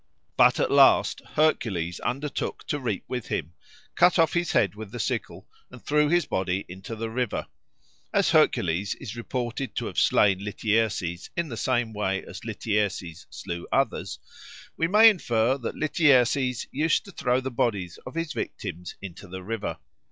But at last Hercules undertook to reap with him, cut off his head with the sickle, and threw his body into the river. As Hercules is reported to have slain Lityerses in the same way that Lityerses slew others, we may infer that Lityerses used to throw the bodies of his victims into the river.